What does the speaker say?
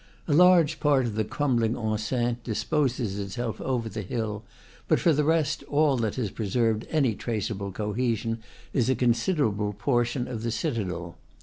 A large part of the crumbling enceinte disposes itself over the hill; but for the rest, all that has preserved any traceable cohesion is a considerable portion, of the citadel.